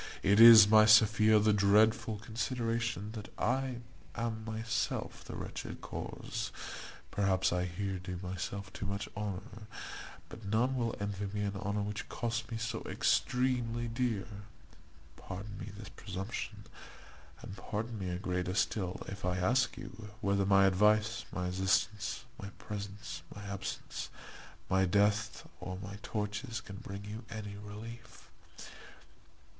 It is, my Sophia, the dreadful consideration that I am myself the wretched cause. Perhaps I here do myself too much honour, but none will envy me an honour which costs me so extremely dear. Pardon me this presumption, and pardon me a greater still, if I ask you, whether my advice, my assistance, my presence, my absence, my death, or my tortures can bring you any relief?